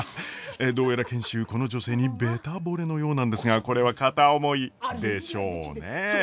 どうやら賢秀この女性にべたぼれのようなんですがこれは片思いでしょうね。